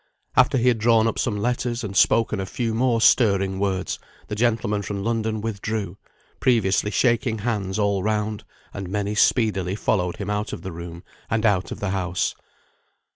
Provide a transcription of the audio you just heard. After he had drawn up some letters, and spoken a few more stirring words, the gentleman from London withdrew, previously shaking hands all round; and many speedily followed him out of the room, and out of the house.